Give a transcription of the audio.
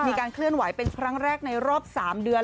มีการเคลื่อนไหวเป็นครั้งแรกในรอบ๓เดือน